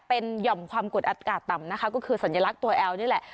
เป็นหย่อมความกดอากาศต่ำนะคะก็คือสัญลักษณ์ตัวแอลนี่แหละ